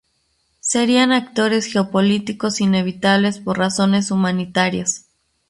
Serían actores geopolíticos inevitables por razones humanitarias.